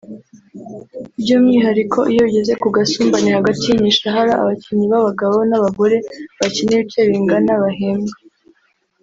by’umwihariko iyo bigeze ku gasumbane hagati y’imishahara abakinnyi b’abagabo n’abagore bakina ibice bingana bahembwa